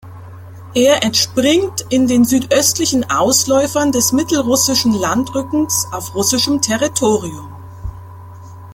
Er entspringt in den südöstlichen Ausläufern des Mittelrussischen Landrückens auf russischem Territorium.